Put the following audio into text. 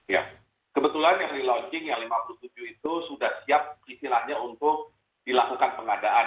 ya kebetulan yang di launching yang lima puluh tujuh itu sudah siap istilahnya untuk dilakukan pengadaan